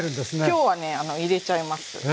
今日はね入れちゃいます。